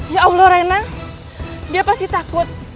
ya allah rena dia pasti takut